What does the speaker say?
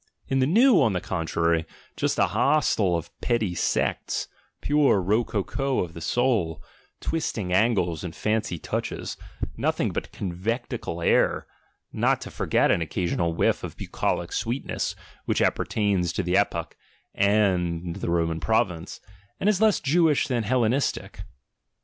In the New, on the contrary, just a hostel of petty sects, pure rococo of the soul, twisting angles and fancy touches, nothing but conventicle air, not to forget an occasional whiff of bucolic sweetness which appertains to the epoch (and the Roman province) and is less Jewish than Hellenistic.